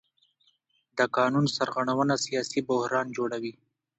د قانون سرغړونه سیاسي بحران جوړوي